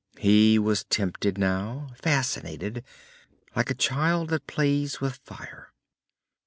He was tempted now, fascinated, like a child that plays with fire.